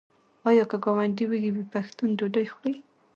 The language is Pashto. آیا که ګاونډی وږی وي پښتون ډوډۍ خوري؟